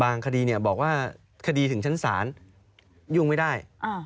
คดีบอกว่าคดีถึงชั้นศาลยุ่งไม่ได้